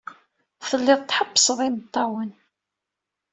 Telliḍ tḥebbseḍ imeṭṭawen.